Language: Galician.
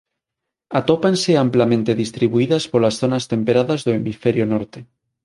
Atópanse amplamente distribuídas polas zonas temperadas do hemisferio norte.